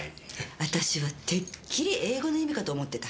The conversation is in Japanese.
私はてっきり英語の意味かと思ってた。